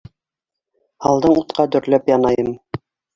Һалдың утҡа, дөрләп янайым.